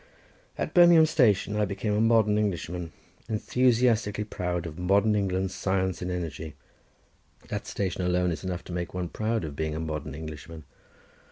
At Birmingham station I became a modern Englishman, enthusiastically proud of modern England's science and energy; that station alone is enough to make one proud of being a modern Englishman.